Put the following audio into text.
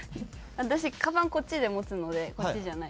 私かばんこっちで持つのでこっちじゃないです。